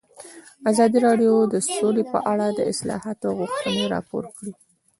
ازادي راډیو د سوله په اړه د اصلاحاتو غوښتنې راپور کړې.